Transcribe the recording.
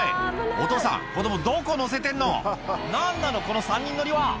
お父さん子供どこ乗せてんの何なのこの３人乗りは！